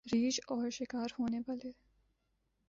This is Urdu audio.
ریچھ اور شکار ہونے والے